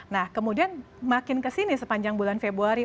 nah kemudian makin kesini sepanjang bulan februari